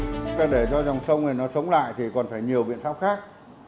chúng ta để cho dòng sông này nó sống lại thì còn phải nhiều biện pháp khác